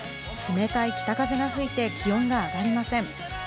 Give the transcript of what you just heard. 冷たい北風が吹いて、気温が上がりません。